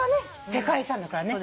世界遺産だからね。